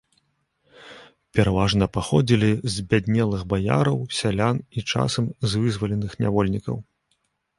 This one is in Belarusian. Пераважна паходзілі з збяднелых баяраў, сялян і часам з вызваленых нявольнікаў.